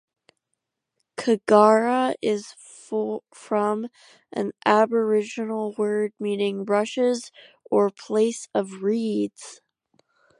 Kogarah is from an aboriginal word meaning "rushes" or "place of reeds".